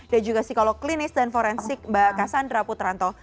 dan juga psikolog klinis dan forensik mbak cassandra putranto